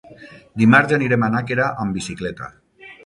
Dimarts anirem a Nàquera amb bicicleta.